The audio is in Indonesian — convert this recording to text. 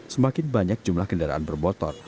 semakin banyak jumlah kendaraan bermotor